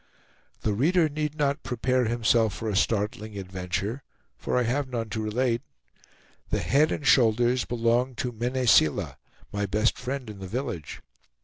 The reader need not prepare himself for a startling adventure, for I have none to relate. The head and shoulders belonged to Mene Seela, my best friend in the village.